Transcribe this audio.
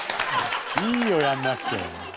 いいよやんなくて。